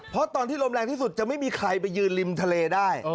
เพราะตอนที่ลมแรงที่สุดจะไม่มีใครไปยืนริมทะเลได้